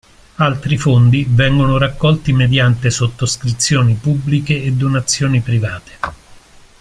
Altri fondi vengono raccolti mediante sottoscrizioni pubbliche e donazioni private.